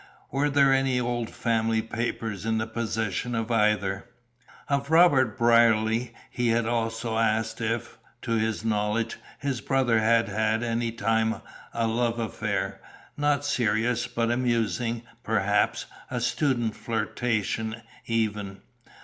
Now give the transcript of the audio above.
Were there any old family papers in the possession of either?" Of Robert Brierly he also asked if, to his knowledge, his brother had had at any time a love affair not serious, but amusing, perhaps a student's flirtation, even.